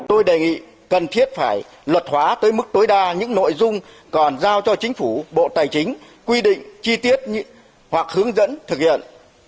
tôi đề nghị cần thiết phải luật hóa tới mức tối đa những nội dung còn giao cho chính phủ bộ tài chính quy định chi tiết hoặc hướng dẫn thực hiện